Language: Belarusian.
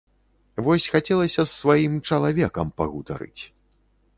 Вось хацелася з сваім чала векам пагутарыць.